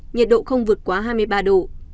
nhiệt độ không vượt quá hai mươi ba độ